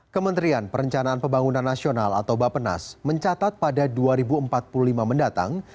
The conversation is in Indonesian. kementerian perencanaan pembangunan nasional atau bapenas mencatat pada dua ribu empat puluh lima mendatang